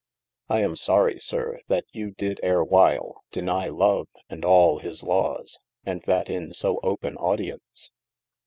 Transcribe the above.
I am sory sir, that you did erewhile, denie love and all his lawes, and that in so open audience.